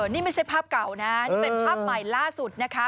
นี่ไม่ใช่ภาพเก่านะนี่เป็นภาพใหม่ล่าสุดนะคะ